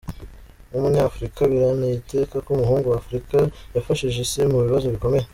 Nk'umunyafrika biranteye iteka ko umuhungu wa Afrika yafashije isi mu bibazo bikomeye.